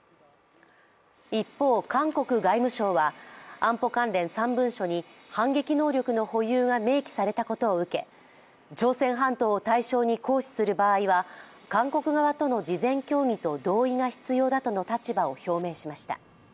一方、韓国外務省は安保関連３文書に反撃能力の保有が明記されたことを受け、朝鮮半島を対象に行使する場合は、韓国側との事前協議と同意が必要だとの立場を表明しました。